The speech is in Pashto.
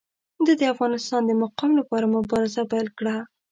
ده د افغانستان د مقام لپاره مبارزه پیل کړه.